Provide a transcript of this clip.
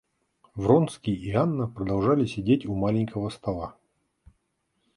Вронский и Анна продолжали сидеть у маленького стола.